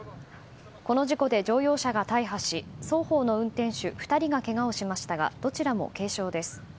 この事故で乗用車が大破し双方の運転手２人がけがをしましたがどちらも軽傷です。